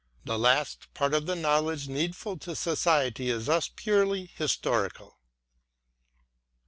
This last part of the Know ledge needful to society is thus purely historical.